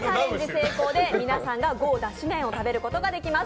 成功で皆さんが熬だし麺を食べることができます。